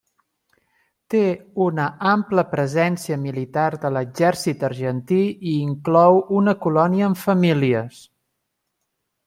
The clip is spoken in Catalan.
Té una ampla presència militar de l'exèrcit Argentí i inclou una colònia amb famílies.